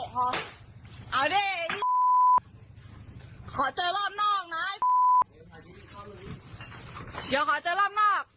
ก็ได้พลังเท่าไหร่ครับ